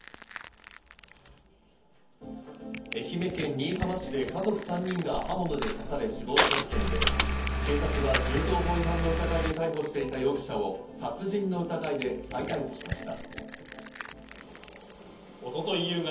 愛媛県新居浜市で家族３人が刃物で刺され死亡した事件で、警察は銃刀法違反の疑いで逮捕していた容疑者を殺人の疑いで再逮捕しました。